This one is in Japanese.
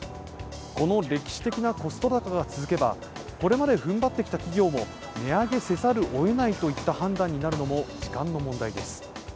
この歴史的なコスト高が続けば、これまで踏ん張ってきた企業も値上げせざるをえないといった判断になるのも時間の問題です。